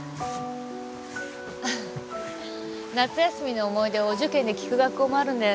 夏休みの思い出をお受験で聞く学校もあるんだよね。